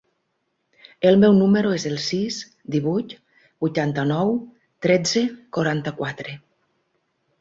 El meu número es el sis, divuit, vuitanta-nou, tretze, quaranta-quatre.